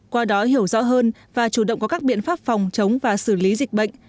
qua đó hiểu rõ hơn và chủ động có các biện pháp phòng chống và xử lý dịch bệnh